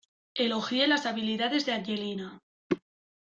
Elogié las habilidades de angelina.